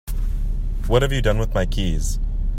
What have you done with my keys?